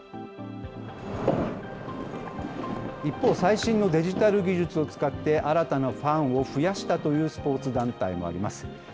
一方、最新のデジタル技術を使って、新たなファンを増やしたというスポーツ団体もあります。